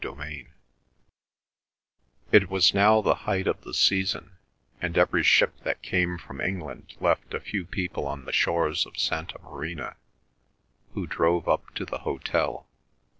CHAPTER XVII It was now the height of the season, and every ship that came from England left a few people on the shores of Santa Marina who drove up to the hotel.